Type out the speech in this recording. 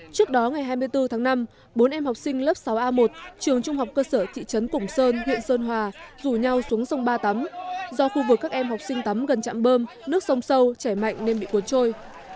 trước đó ngày hai mươi bốn tháng năm bốn em học sinh lớp sáu a một trường trung học cơ sở thị trấn củng sơn huyện sơn hòa rủ nhau xuống sông ba tắm do khu vực các em học sinh tắm gần chạm bơm nước sông sâu chảy mạnh nên bị cuốn trôi